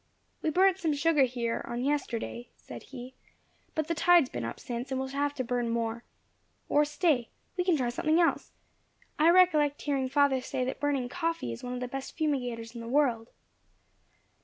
"We burnt some sugar here, on yesterday," said he, "but the tide has been up since, and we shall have to burn more. Or stay we can try something else. I recollect hearing father say that burning coffee is one of the best fumigators in the world."